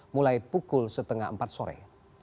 mulai pukul setengah empat sore